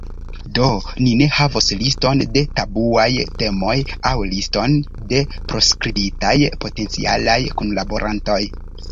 Do, ni ne havos liston de tabuaj temoj aŭ liston de proskribitaj potencialaj kunlaborantoj.